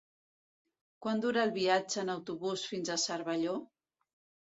Quant dura el viatge en autobús fins a Cervelló?